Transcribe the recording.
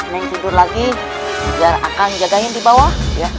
neng tidur lagi biar akang jagain di bawah